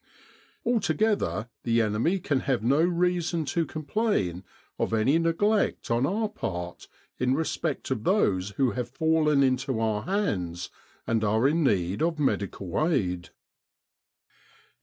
Altogether, the enemy can have no reason to complain of any neglect on our part in respect of those who have fallen into our hands, and are in need of medical aid.